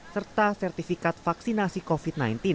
serta sertifikat vaksinasi covid sembilan belas